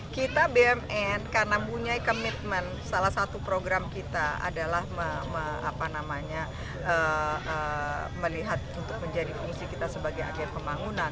kita bumn karena punya komitmen salah satu program kita adalah melihat untuk menjadi fungsi kita sebagai agen pembangunan